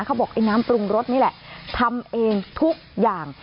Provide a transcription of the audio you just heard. เขาบอกไอ้น้ำปรุงรสนี่แหละทำเองทุกอย่าง